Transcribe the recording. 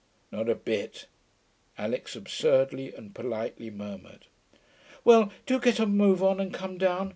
'Not a bit,' Alix absurdly and politely murmured. 'Well, do get a move on and come down.